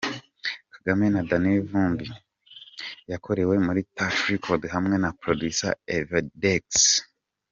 Kagame na Danny Vumbi yakorewe muri Touch Record hamwe na producer Evydecks.